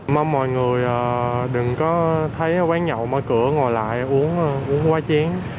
mong mọi người đừng có thấy quán nhậu mở cửa ngồi lại uống quá chén